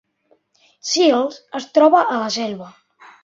Sils es troba a la Selva